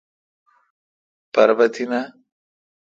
پر بہ تینہ۔